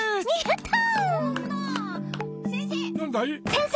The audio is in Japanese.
先生！